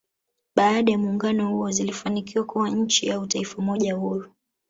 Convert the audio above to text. Baada ya muungano huo zilifanikiwa kuwa nchi au Taifa moja huru